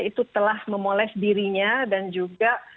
itu telah memoles dirinya dan juga